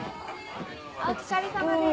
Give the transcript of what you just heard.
お疲れさまです。